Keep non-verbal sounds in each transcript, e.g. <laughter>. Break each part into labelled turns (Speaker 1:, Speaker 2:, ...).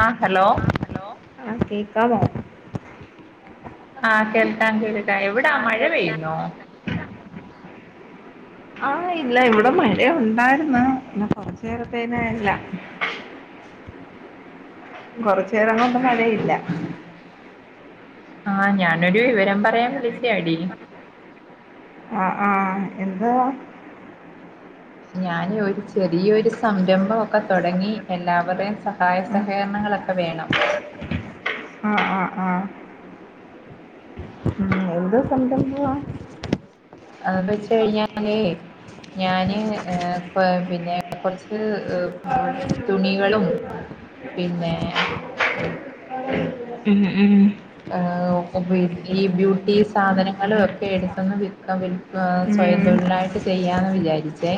Speaker 1: ആഹ് hello
Speaker 2: <unintelligible>
Speaker 1: ആ കേൾക്കാം കേൾക്കാം എവിടാ മഴ പെയ്യുന്നോ
Speaker 2: ആ ഇല്ല ഇവിടെ മഴ ഉണ്ടായിരുന്ന് എന്നാ കൊറച്ചു നേരത്തേന്ല്ല കൊറച്ച് എറങ്ങുമ്പം മഴയില്ല
Speaker 1: ആ ഞാൻ ഒരു വിവരം പറയാൻ വിളിച്ചയാടി
Speaker 2: ആ ആ എന്താ
Speaker 1: ഞാൻ ഒരു ചെറിയൊരു സംരംഭൊക്കെ തൊടങ്ങി എല്ലാവരുടേയും സഹായ സഹകരണങ്ങളൊക്കെ വേണം
Speaker 2: ആ മ്മ് എന്ത് സംരംഭവാ
Speaker 1: അതെന്ന് വെച്ച് കഴിഞ്ഞാലേ ഞാന് ഏഹ് കൊ പിന്നെ കുറച്ച് തുണികളും പിന്നെ
Speaker 2: <inaudible>
Speaker 1: ഏ ഈ ബ്യൂട്ടി സാധനങ്ങളു ഒക്കെ എടുത്തൊന്ന് വിൽക്കാൻ വേണ്ടി
Speaker 2: ഉം
Speaker 1: സ്വയം
Speaker 2: ഉം
Speaker 1: തൊഴിലായിട്ട് ചെയ്യാന്ന വിചാരിച്ചേ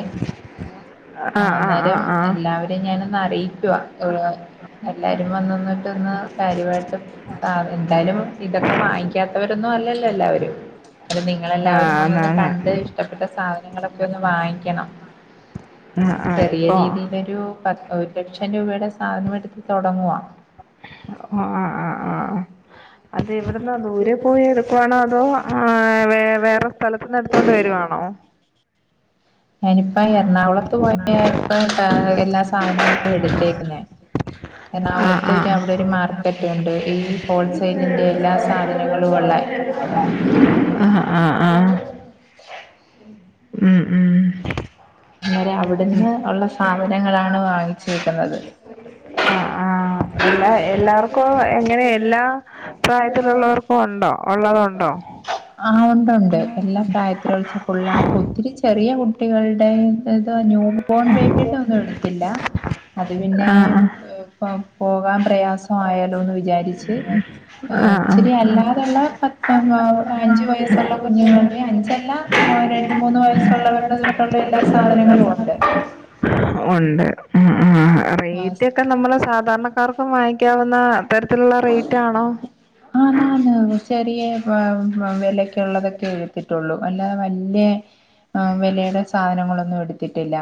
Speaker 2: ആഹ് ആഹ്
Speaker 1: ആന്നേരം
Speaker 2: ആഹ് ആഹ്
Speaker 1: എല്ലാവരെയും ഞാനൊന്ന റിയിക്ക <unintelligible> എല്ലാരും വന്നൊന്നിട്ട്ന്നാ കാര്യമായിട്ട് പറിയു ഇതൊക്കെ വാങക്കാത്തവരൊന്നും അല്ലല്ലോ എല്ലാവരും അപോ
Speaker 2: ആഹ്
Speaker 1: നിങളെല്ലാവരും വന്നൊന്ന്
Speaker 2: ആന്നാന്ന്
Speaker 1: കണ്ട് ഇഷ്ടപ്പെട്ട സാധനങ്ങളക്കെയൊന്ന് വാങ് വാങ്ങിക്കണം
Speaker 2: ആഹ് ആഹ്
Speaker 1: ചെറിയ
Speaker 2: ഇപ്പോ
Speaker 1: രീതിയിലൊരു ഫസ് ഒരു ലക്ഷം രൂപയുടെ സാധനം എടുത്
Speaker 2: ആ ആ ആ ആ അത് ഇവിടുന്നാ ദൂരെ പോയി എടുക്കുവാണോ അതോ ആ വേറെ സ്ഥലത്ത്ന്ന് എടുത്തോണ്ട് വരുവാണോ
Speaker 1: ഞാനിപ്പ എറണാകുളത്ത് പോയ ഇപ്പ എല്ലാ സാധനങ്ങളും എടുത്തേക്കുന്നെ
Speaker 2: ആഹ്
Speaker 1: എറണാകുളത്തു
Speaker 2: ആഹ്
Speaker 1: അവിടെ ഒരു മാർക്കറ്റ് ഉണ്ട് ഈ ഹോൾ സെൽന്റെ എല്ലാ സാധനങ്ങളുഎല്ലേ
Speaker 2: ആഹ് ആഹ് ആഹ് ഉം ഉം
Speaker 1: വരെ അവിടുന്ന്
Speaker 2: ആ
Speaker 1: ഉള്ള സാധനങ്ങളാണ് വാങ്ങിച്ചേക്കുന്നത്
Speaker 2: ആഹ പ്രായത്തിലുള്ളവർക്കും ഉണ്ടോ ഉള്ളതുണ്ടോ
Speaker 1: ആ ഉണ്ട് ഉണ്ട് എല്ലാ പ്രായത്തിലും വച്ച പിള്ളേർക്കും ഒത്തിരി ചെറിയ കു കുട്ടികളുടെ ന്യൂ ബോൺ ബേബിയുടെ ഒന്നും എടുത്തില്ല അത് പിന്നെ
Speaker 2: ആഹ്
Speaker 1: ഉം
Speaker 2: ആഹ്
Speaker 1: ഇപ്പൊ പോകാൻ പ്രയാസമായാലോ എന്ന് വിചാരിച്ച്
Speaker 2: ആഹ് ആഹ്
Speaker 1: ഇച്ചിരി അല്ലാതുള്ള പത്ത് അഞ്ചു വയസ്സുള്ള കുഞ്ഞുങ്ങളടെ അഞ്ചല്ല രണ്ട് മൂന്ന് വയസ്സുള്ളവരുടെ തൊട്ടുള്ള എല്ലാ സാധനങ്ങളും ഉണ്ട്
Speaker 2: ഉണ്ട് ഉം ഉം റേറ്റ് ഒക്കെ നമ്മള് സാധാരണക്കാർക്കും വാങ്ങിക്കാവുന്ന തരത്തിലുള്ള റേറ്റ് ആണോ
Speaker 1: ആ ആ ന ചെറിയ വിലക്ക ഉള്ളതൊക്കെ എഴുത്തിട്ടുള്ളു വല്ലാ വല്ല്യേ ആ വിലയുടെ സാധനങ്ങളൊന്നും എടുത്തിട്ടില്ല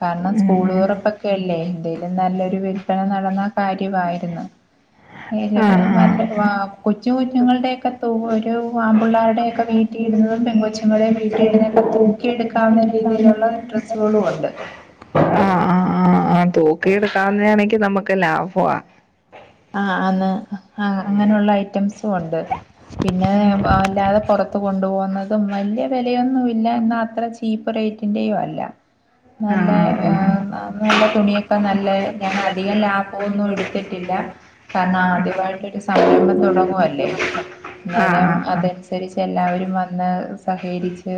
Speaker 1: കാരണം
Speaker 2: ഉം
Speaker 1: സ്കൂൾ
Speaker 2: ഉം
Speaker 1: തുറപ്പൊക്കെ അല്ലേ എന്തേ നല്ലൊരു വില്പന നടന്ന കാര്യമായിരുന്നു ഏ
Speaker 2: ആഹ് ആഹ്
Speaker 1: <unintelligible> കൊച്ചു കുഞ്ഞുങ്ങളുടെയ ഒക്കെ തൂ ഒരു ആമ്പിള്ളേരുടെൊക്കെ വീട്ടി ഇടുന്നതും പെ കൊച്ചുങ്ങളുടെയും വീട്ടി ഇടുന്നതൊക്കെ തു ക്കി എടുക്കാവുന്ന രീതിയിലുള്ള ഡ്രസ്സുകളും ഉണ്ട്
Speaker 2: ആ ആ ആഹ് ആ തൂക്കി എടുക്കാവുന്നാണെങ്കി നമുക്ക് ലാഭവാ
Speaker 1: ആ അന്ന് ആ അങ്ങനെയുള്ള ഐറ്റംസും ഉണ്ട് പിന്നെ അല്ലാതെ പുറത്ത് കൊണ്ടു പോകുന്നത് വല്ല്യ വിലയൊന്നും ഇല്ല എന്നാ അത്ര ചീപ്പ് റേറ്റ് ഇന്റെയും അല്ല
Speaker 2: ആ ആ ആ
Speaker 1: നല്ല
Speaker 2: ആ ആ
Speaker 1: ഏ നല്ല തുണിയൊക്കെ നല്ല ഞാൻ അധികം ലാഭമൊന്നും എടുത്തിട്ടില്ല കാരണം ആദ്യമായിട്ടൊരു സംരംഭം തുടങ്ങുഅല്ലെ
Speaker 2: ആ ആ ആ
Speaker 1: അന്നേരം
Speaker 2: ആ ആ
Speaker 1: അതനുസരിച്ച് എല്ലാവരും വന്ന് സഹകരിച്ച്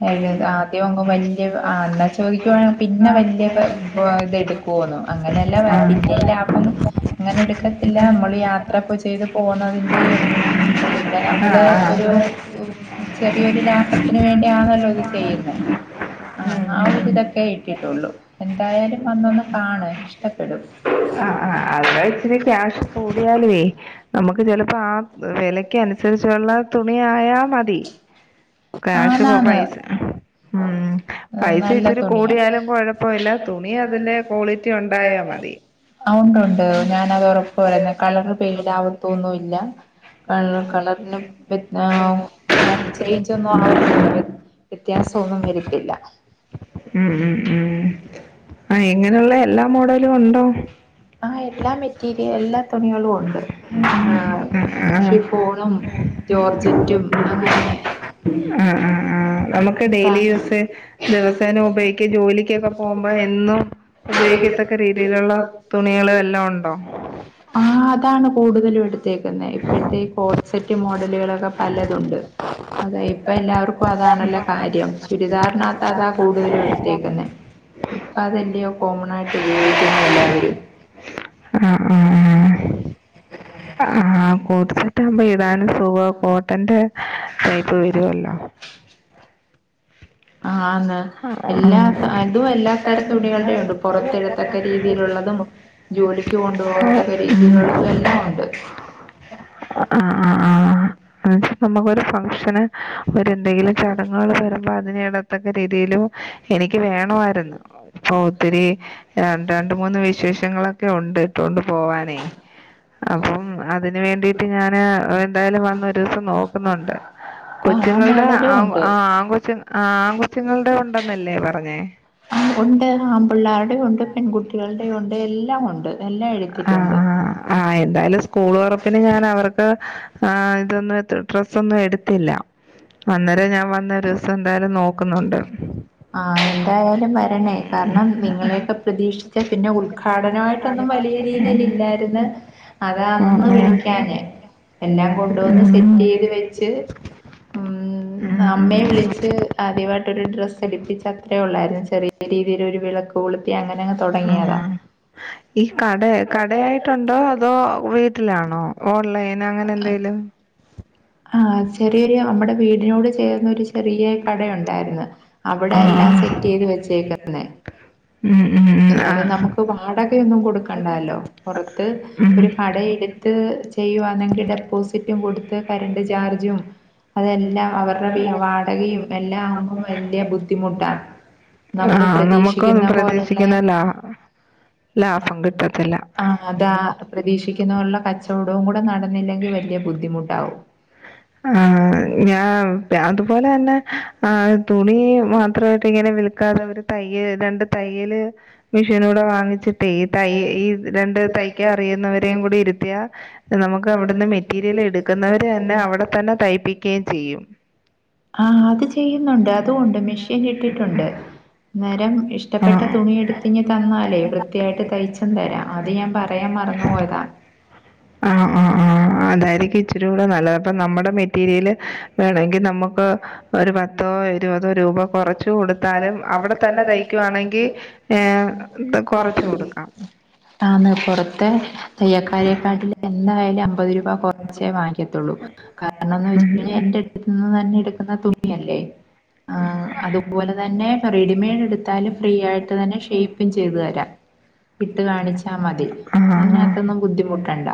Speaker 1: <unintelligible> ആദ്യം അങ്ങ് വല്യ അ എന്നാ ചോദിക്കുവാണെ പിന്നെ വല്യ ഇത് എടുക്കുവോന്നു അങ്ങനെല്ല പിന്നെ ലാഭ അങ്ങനെ എട് റ്റത്തില്ല നമ്മൾ യാത്രപ്പൊ ചെയ്ത് പോന്നതിന്റെയും പിന്നെ നമ്മള് ഒരു ചെറിയൊരു ലാഭത്തിന് വേണ്ടിയാണല്ലോ ഇത് ചെയ്യുന്നത് ആ ആ ഒരു ഇതൊക്കെ ഇട്ടിട്ടുള്ളൂ എന്തായാലും വന്നൊന്ന് കാണ് ഇഷ്ടപ്പെടും
Speaker 2: <unintelligible> ഇത്തിരി ക്യാഷ് കൂടിയാലുയേ നമക്ക് ചിലപ്പോ ആ വിലയ്ക്ക് അനുസരിച്ചുള്ള തുണിയായാ മതി ക്യാഷ് പോ
Speaker 1: ആണാണ്
Speaker 2: പൈസ ഉം പൈസ
Speaker 1: നല്ല
Speaker 2: ഇച്ചിരി
Speaker 1: തുണിയാ
Speaker 2: കൂടിയാലും കുഴപ്പമില്ല തുണി അതിന്റെ ക്വാളിറ്റി ഉണ്ടായാ മതി
Speaker 1: ആ ഉണ്ടുണ്ട് ഞാനത് ഉറപ്പ് തര കളർ പെയ്ല് ആവത്തൊന്നു ഇല്ല് കളറിന് <unintelligible> ചേഞ്ച്‌ <unintelligible> വരുത്തില്ല
Speaker 2: ഉം ഉം ഉം അ ഇങ്ങനെയുള്ള എല്ലാ മോഡലും ഉണ്ടോ
Speaker 1: ആ എല്ലാ മെറ്റീരിയൽ എല്ലാ തുണികളുംണ്ട് ആ ഷിഫോണും ജോർജറ്റും അങ്ങനെ
Speaker 2: മ് മ് മ് നമ്മക്ക്
Speaker 1: സ
Speaker 2: ഡെയിലിയൂസ് ദിവസേന ഉപയോഗിക്ക ജോലിക്കൊക്കെ പോകുമ്പോ എന്നും ഉപയോഗിക്കത്തക്ക രീതിയിലുള്ള തുണികള് വല്ലോം ഉണ്ടോ
Speaker 1: ആ അതാണ് കൂടുതലും എടുത്തേക്കുന്നെ ഇപ്പഴ്ത്തെ ഈ കോട്സെറ്റ് മോഡലുകളൊക്കെ പലതുണ്ട് അത് ലെ ഇപ്പ എല്ലാർക്കും അതാണല്ലോ കാര്യം, ചുരിദാറിനാത്ത് അതാ കൂടുതലും എടുത്തേക്കുന്നെ ഇപ്പ അതെല്ലയോ കോമണായിട്ട് ഉയോഗിക്കുന്നെ എല്ലാവരും.
Speaker 2: ആ ആ ആ ആ കോഡ് സെറ്റാകുമ്പോ ഇടാനും സുഖാ കോട്ടന്റെ എ വരുവല്ലൊ
Speaker 1: ആന്ന് ആ എല്ലാത് അതും എല്ലാത്തരം തുണികളുടെം ഒണ്ട് പൊറത്തിടുത്തക്ക രീതിയിലുള്ളതും ജോലിക്ക് കൊണ്ടുപോകത്തക്ക
Speaker 2: ഉം
Speaker 1: രീതിയിലുള്ളതും എല്ലാംമുണ്ട്.
Speaker 2: ആ ആ ആ ഉം നമ്മുക്കൊരു ഫംഗ്ഷന് ഒരെന്തെങ്കിലും ചടങ്ങുകൾ വരുമ്പോ അത് നേടത്തക്ക രീതിയിലും എനിക്ക് വേണോവായിരുന്നു, ഇപ്പോ ഒത്തിരി രണ്ട് രണ്ട് മൂന്ന് വിശേഷങ്ങളൊക്കെയൊണ്ട് ഇട്ടോണ്ട് പോവാനെ. അപ്പം അതിന് വേണ്ടിട് ട്ട് ഞാന് എന്തായാലും വന്ന് ഒരൂസം നോക്കുന്നുണ്ട്.
Speaker 1: ആഹ് ആ
Speaker 2: കൊച്ചുങ്ങളുടെ,
Speaker 1: മോഡലും
Speaker 2: ആം
Speaker 1: ഉണ്ട്
Speaker 2: ആൺകൊച്ച് ആൺകൊച്ചുങ്ങളുടെ ഉണ്ടന്നല്ലേ പറഞ്ഞേ?
Speaker 1: ആ ഉണ്ട് ആമ്പിള്ളാരുടെയുണ്ട് പെൺകുട്ടികളുടേയുണ്ട്, എല്ലാംമുണ്ട് എല്ലാം
Speaker 2: ആഹ്
Speaker 1: എടുത്തിട്ടുണ്ട്.
Speaker 2: ആഹ് <unintelligible> ആ ഇതൊന്നും ഡ്രസ്സൊന്നും എടുത്തില്ല. അന്നേരം ഞാൻ വന്ന് ഒരു ദിവസം എന്തായാലും നോക്കുന്നുണ്ട്
Speaker 1: ആ എന്തായാലും വരണേ കാരണം നിങ്ങളെയൊക്കെ പ്രതീക്ഷിച്ച് പിന്നെ ഉദ്ഘാടനായിട്ടൊന്നും വലിയ രീതിൽ ഇല്ലായിര്ന്ന് അതാ അന്ന് വിളിക്ക് ക്കാഞ്ഞെ എല്ലാം കൊണ്ടുവന്ന് സെറ്റ് ചെയ്ത് വെച്ച് ഉം അമ്മയെ വിളിച്ച് ആദ്യമായിട്ടൊരു ഡ്രസ്സ് എടുപ്പിച്ച്, അത്രയേ ഉള്ളായിരുന്നു, ചെറിയ രീതിൽ ഒരു വിളക്ക് കൊളുത്തി അങ്ങനെങ്ങ് തുടങ്ങിയതാ.
Speaker 2: ഉം ഈ കട കടയായിട്ടുണ്ടോ അതോ വീട്ടിലാണോ ഓൺലൈൻ അങ്ങനെന്തേലും.
Speaker 1: ആ ചെറി <unintelligible> നമ്മടെ വീടിനോട് ചേർന്നൊരു ചെറിയ കടയുണ്ടായിരുന്നു, അവിടാ എല്ലാം
Speaker 2: ആഹ്
Speaker 1: സെറ്റ് ചെയ്ത് വെച്ചേക്ക്ണേ.
Speaker 2: ഉം ഉം ഉം
Speaker 1: അന്നേരം
Speaker 2: ആഹ്
Speaker 1: നമുക്ക് വാടകയൊന്നും കൊടുക്കണ്ടാലോ. പൊറത് ത്ത് ഒരു കടഎടുത് ഇത് ചെയ്യുവാണെങ്കിൽ, ഡെപ്പോസിറ്റും കൊടുത്ത് കറണ്ട് ചാർജും, അതെല്ലാം അവരുടെ വീ വാടകയും എല്ലാം ആകുമ്പോ വലിയ ബുദ്ധിമുട്ടാ. നമ്മള് പ്രതീക്ഷിക്കുന്ന പോലുള്ള
Speaker 2: ക്കുന്നില്ലാ
Speaker 1: ആ അതാ പ്രതീക്ഷിക്കുന്നപോലുള്ള കച്ചവടവും കൂടെ നടന്നില്ലെങ്കി വല്ല്യ ബുദ്ധിമുട്ടാവും
Speaker 2: ആഹ് ഞാവ് രാത് അതുപോലെ തന്നെ ആഹ് തുണി മാത്രമായിട്ട് ഇങ്ങനെ വിൽക്കാതെ ഒരു തയ്യൽ രണ്ട് തയ്യല് മെഷീനൂടെ വാങ്ങിച്ചിട്ടേ ഈ തൈ ഈ രണ്ട് തയ്ക്കാൻ അറിയുന്നവരേ കൂടി ഇരുത്തിയാ നമുക്ക് അവിടുന്ന് മെറ്റീരിയൽ എടുക്കുന്നവര് തന്നെ അവിടെ തന്നെ തയ്പ്പിക്കയും ചെയ്യും
Speaker 1: അതും ഉണ്ട് മെഷീൻ ഇട്ടിട്ടുണ്ട് അന്നേരം ഇഷ്ടപ്പെട്ട തുണി എടുത്തിഞ്ഞ് തന്നാലേ വൃത്തിയായിട്ട് തയ്ച്ചും തരാം അത് ഞാൻ പറയാൻ മറന്നു പോയതാ
Speaker 2: ആഹ് ക്കും ഇച്ചിരുടെ നല്ലത് അപ്പ നമ്മ ടെ മെറ്റീരിയല് വേണങ്കി നമ്മക്ക് ഒരു പത്തോ ഇരുപതോ രൂപ കൊറച്ച് കൊടുത്താലും അവിടെ തന്നെ തയ്ക്കുവാണെങ്കി ഏഹ് കൊറച്ച് കൊടുക്കാം
Speaker 1: ആന്ന് പുറത്തെ തയ്യൽക്കാരെക്കാട്ടിൽ എന്തായാലും അമ്പത് ണം ഒന്നെന്റെ അടുത്ത് നിന്ന് തന്നെ എടുക്കുന്ന തുണി ഇല്ലല്ലേ ആഹ് അതുപോലെ തന്നെ റെഡിമെയ്ഡ് എടുത്താലും ഫ്രീ ആയിട്ട് തന്നെ ഷേപ്പും ചെയ്തു തരാം ഇട്ട് കാണിച്ചാ മതി
Speaker 2: ആ ആ
Speaker 1: അതിനകത്തൊന്നും ബുദ്ധിമുട്ടണ്ട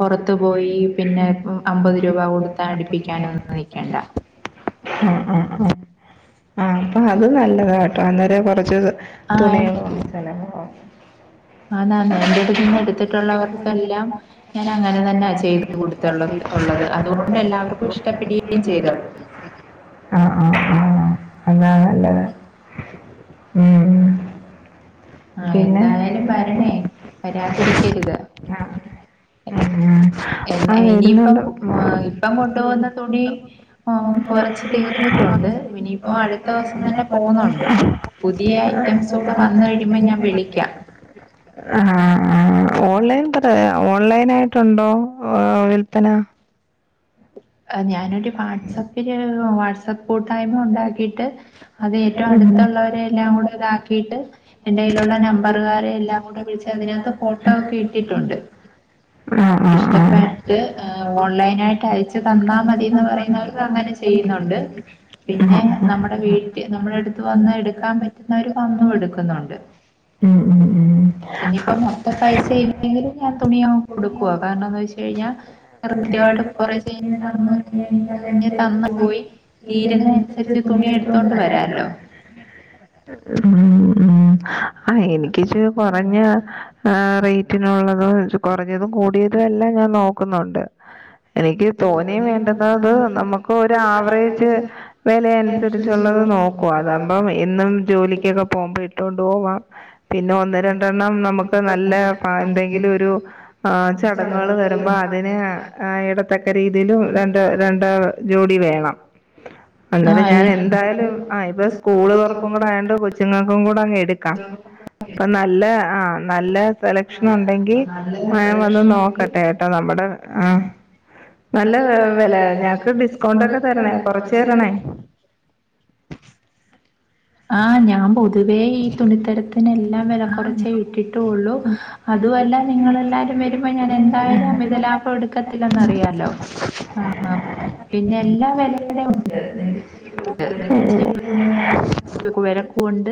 Speaker 1: പുറത്തു പോയി പിന്നെ അമ്പത് രൂപ കൊടു അതടിപ്പിക്കാനൊന്നും നിക്കണ്ട
Speaker 2: ആഹ് ആഹ് ആഹ് ആഹ് അപ്പൊ അത് നല്ലത കേട്ടോ അന്നേരം കൊറച്ച് തുണിയും കൊണ്ട് <unintelligible> ഓ
Speaker 1: ആന്നാന്ന്‌ എന്റെ അടുത്ത് നിന്ന് എടുത്തിട്ടുള്ളവർക്കെല്ലാം ഞാൻ അങ്ങനെ തന്നാ ചെയ്ത് കൊടുത്തിള്ളത് ഉള്ളത് അതുകൊണ്ട് എല്ലാവർക്കും ഇഷ്ടപ്പെടുകയും ചെയ്ത്
Speaker 2: ആഹ് ആഹ് അതാ നല്ലത് ഉം
Speaker 1: ആ
Speaker 2: പിന്നെ
Speaker 1: എന്തായാലും വരണേ വരാതിരിക്കരുത്
Speaker 2: ആ ഉം, ഉം.
Speaker 1: എൻ
Speaker 2: ആ
Speaker 1: എനിയിപ്പം
Speaker 2: വരുന്നുണ്ട്
Speaker 1: ഇപ്പം കൊണ്ടപോവുന്ന തുണി കൊറച്ച് തീർന്നിട്ടുണ്ട് ഇനിയിപ്പോ അടുത്ത ദിവസം തന്നെ പോന്നുണ്ട് പുതിയ ഐറ്റംസ് കൂടെ വന്ന്‌ കഴിയുമ്പം
Speaker 2: ആഹ് ആഹ് ഓൺലൈൻ പറയാം ഓൺലൈൻ ആയിട്ടുണ്ടോ ഓ വിൽപ്പന
Speaker 1: ഞാനൊരു വാട്സാപ്പില് വാട്സ്ആപ്പ് കൂട്ടായ്മ ഉണ്ടാക്കിട്ട് അത് ഏറ്റവും അടുത്തുള്ളവരെ എല്ലാം കൂടെ അതാക്കിട്ട് എന്റെ കയ്യിലുള്ള നമ്പറുകാരെ എല്ലാം കൂടെ വിളിച്ച് അതിനകത്ത് ഫോട്ടോ ഒക്കെ ഇട്ടിട്ടുണ്ട്
Speaker 2: ആ ആ
Speaker 1: ഇഷ്ടപ്പെട്ട്
Speaker 2: ആ
Speaker 1: ഏ ഓൺലൈൻ ആയി അയച്ച് തന്നാ മതിന്ന് പറയുന്നവർക്ക് അങ്ങനെ ചെയ്യുന്നുണ്ട് പിന്നെ നമ്മുടെ വീട്ടി നമ്മുടെ അടുത്ത് വന്ന് എടുക്കാൻ പറ്റുന്നവര് വന്നും എടുക്കുന്നുണ്ട്
Speaker 2: ഉം ഉം ഉം
Speaker 1: പിന്നപ്പോ മൊത്ത പൈസ ഇല്ലെങ്കിലും ഞാൻ തുണിയ <unintelligible> കൊടുക്കും പോവ കാരണംന്ന് വെച്ച് കഴിഞ്ഞാ കൃത്യമായിട്ട് കു <unintelligible>
Speaker 2: നുസരി പോയി അനുസരിച്ച് തുണി എടുട്ടന്ന് പറല്ലോ ഉം ആ എനിക്കിച്ചിരി കുറഞ്ഞ റേറ്റിനുള്ളത് ആ കുറഞ്ഞതും കൂടിയതും എല്ലാം ഞാൻ നോക്കുന്നുണ്ട് എനിക്ക് ഓനെ വേണ്ടുന്നത് നമുക്ക് ഒരു ആവറേജ് വില അനുസരിച്ചുള്ളത് നോക്കു അതാവുമ്പം ഇന്നും ജോലിക്കൊക്കെ പോകുമ്പോ ഇട്ടൊണ്ട് പോവാം പിന്നെ ഒന്ന് രണ്ടെണ്ണം നമുക്ക് നല്ല എന്തെങ്കിലും ഒരു ചടങ്ങുകൾ വരുമ്പോ അതിന് എട രീതിയില രണ്ട് രണ്ട് ജോടി വേണം അന്നലെ ഞാൻ
Speaker 1: ആഹ്
Speaker 2: എന്തായാലും ആ ഇപ്പ സ്കൂള്റപ്പും കൂടെ ആണ്ട് കൊച്ചുങ്ങൾക്കും കൂടെ അങ്ങ് എടു എടുക്കാം ഇപ്പം നല്ല ആ നല്ല സെലക്ഷൻ ഉണ്ടെങ്കിൽ വന്ന് നോക്കട്ടെ കേട്ടോ നമ്മുടെ ആ നല്ല വില ഞങ്ങക്ക് ഡിസ്കൗണ്ട് ഒക്കെ തരണേ കൊറച്ച് തരണേ
Speaker 1: ആഹ് ഞാൻ പൊതുവേ ഈ തുണിത്തരത്തിന് എല്ലാം വില കുറച്ചേ ഇട്ടിട്ടുള്ളൂ അതുമല്ല നിങ്ങളെല്ലാരും വരുമ്പോ ഞാൻ എന്തായാലും അമിത ലാഭം എടുക്കത്തില്ലലൊ അറിയാലോ ആ പിന്നെ എല്ലാ വിലടെ ഉണ്ട്
Speaker 2: ഉം <unintelligible>
Speaker 1: വിലക്കുംണ്ട്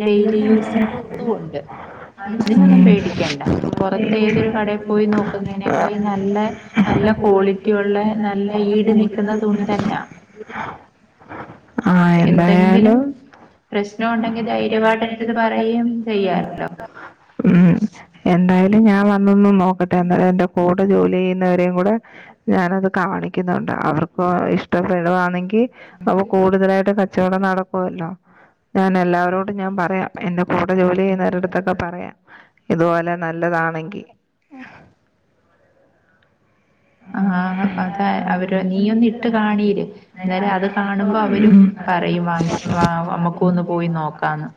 Speaker 1: ഡെയിലി യൂസിനും ഉണ്ട് അതിനൊന്നും പേടിക്കണ്ട പുറത്ത ഏതൊരു കടയിൽ പോയി നോക്കുന്നതിനേക്കാൾ നല്ല നല്ല ക്വാളിറ്റിള്ള നല്ല ഈട് നിക്കുന്ന തുണി തന്ന
Speaker 2: ആ എന്തായാലും
Speaker 1: പ്രശ്നം
Speaker 2: പ്രശ്നംണ്ടങ്ക
Speaker 1: ഉണ്ടെങ്കിൽ ധൈര്യമായിട്ട് എന്റെടുത്ത്
Speaker 2: ധൈര്യപട
Speaker 1: പറയുകയും ചെയ്യാലോ
Speaker 2: <unintelligible> മം എന്തായാലും ഞാൻ വന്നൊന്നു നോക്കട്ടെ എന്റെ എന്റെ കൂ ജോലി ചെയുന്ന വരും കൂടെ ഞാനത് കാണിക്കുന്നുണ്ട് അവർക്ക് ഇഷ്ടപ്പെടണെങ്കിൽ അപ്പൊ കൂടുതലായിട്ട് കച്ചവടം നടക്കുവല്ലോ ഞാൻ എല്ലാവരോടും ഞാൻ പറയാം എന്റെ കൂടെ ജോലി ചെയ്യുന്നവരുടെടുത്തൊക്കെ പറയാം ഇതുപോലെ നല്ലതാണെങ്കി
Speaker 1: ആ അത അവര് നീയ് ഒന്ന് ഇട്ട് കാണീര് അന്നേരം അത് കാണുമ്പോ അവരും പറയും വാങ്ങിച്ച അമ്മക്ക ഒന്ന് പോയി നോക്കാന്ന്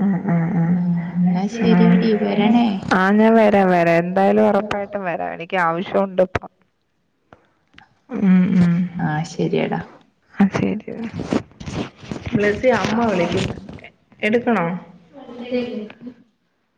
Speaker 2: മൂ ഉ ഉ ഉ
Speaker 1: ആഹ് എന്നാ
Speaker 2: ഉ
Speaker 1: ശരിയടി വരണേ
Speaker 2: ആ ഞാൻ വരാം വരാം എന്തായാലും ഉറപ്പായിട്ടും വരാം ഇടക്ക് ആവിശ്യമുണ്ടിപ്പം
Speaker 1: ആഹ് ശരിയടാ
Speaker 2: ആ ശരി ബ്ലെസി അമ്മ വിളിക്കുന്നു എടുക്കണോ
Speaker 1: <inaudible>